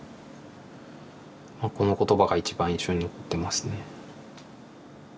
この言葉が一番印象に残ってますね。